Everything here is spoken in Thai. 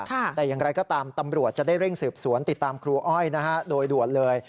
แต่อย่างไรก็ตามตำรวจจะได้เร่งสืบสวนติดตามครูอ้อยนะฮะโดยด่วนเลย